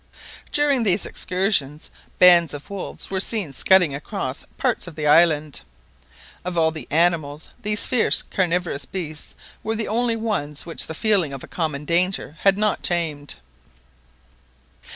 During these excursions, bands of wolves were seen scudding across parts of the island. Of all the animals these fierce carnivorous beasts were the only ones which the feeling of a common danger had not tamed.